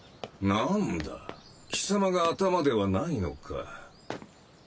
なんだ貴様が頭ではないのか。